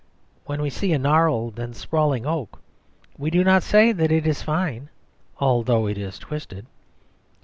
When we see a gnarled and sprawling oak, we do not say that it is fine although it is twisted.